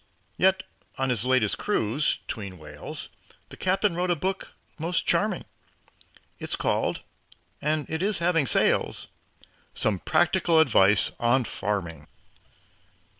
Yet on his latest cruise, 'tween whales The Captain wrote a book most charming. It's called and it is having sales "Some Practical Advice on Farming."